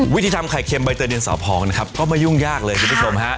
วิธีทำไข่เค็มใบเตยดินสอพองนะครับก็ไม่ยุ่งยากเลยคุณผู้ชมฮะ